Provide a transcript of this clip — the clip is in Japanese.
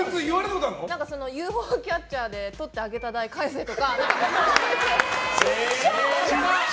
ＵＦＯキャッチャーでとってあげた代、返せとか。